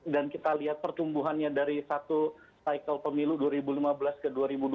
dan kita lihat pertumbuhannya dari satu periode pemilu dua ribu lima belas ke dua ribu dua puluh